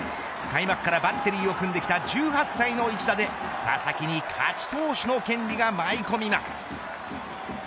開幕からバッテリーを組んできた１８歳の一打で佐々木に勝ち投手の権利が舞い込みます。